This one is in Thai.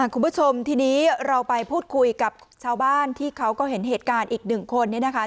คุณผู้ชมทีนี้เราไปพูดคุยกับชาวบ้านที่เขาก็เห็นเหตุการณ์อีกหนึ่งคนเนี่ยนะคะ